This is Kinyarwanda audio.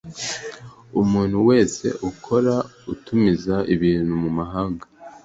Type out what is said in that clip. umuntu wese ukora utumiza ibintu mu mahanga